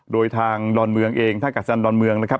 โดยทางดอนเมืองเองท่ากัดสนดอนเมืองนะครับ